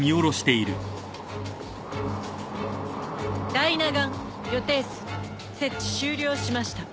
ダイナ岩予定数設置終了しました。